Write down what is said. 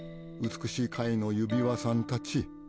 美しい貝の指輪さんたち！